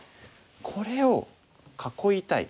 これを囲いたい。